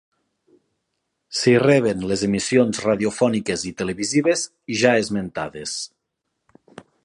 S'hi reben les emissions radiofòniques i televisives ja esmentades.